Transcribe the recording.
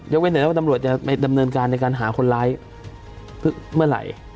ไว้หน่อยว่าตำรวจจะไปดำเนินการในการหาคนร้ายเมื่อไหร่